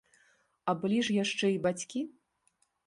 А былі ж яшчэ і бацькі!